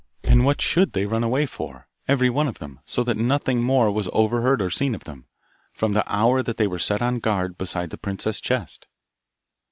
And what should they run away for, every one of them, so that nothing more was over heard or seen of them, from the hour that they were set on guard beside the princess's chest?